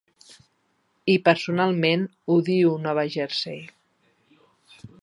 I personalment odio Nova Jersey.